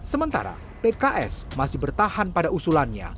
sementara pks masih bertahan pada usulannya